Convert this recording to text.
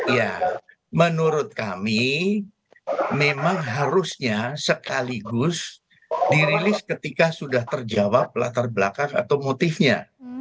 ya menurut kami memang harusnya sekaligus dirilis ketika sudah terjawab latar belakang atau motifnya